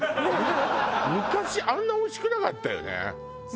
昔あんなおいしくなかったよね？